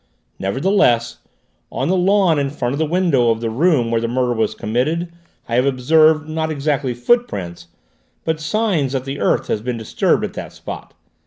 Nevertheless, on the lawn in front of the window of the room where the murder was committed I have observed, not exactly footprints, but signs that the earth has been disturbed at that spot.